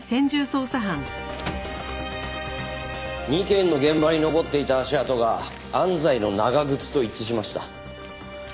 ２件の現場に残っていた足跡が安西の長靴と一致しました。